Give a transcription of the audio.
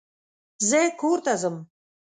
زه کور ته ځم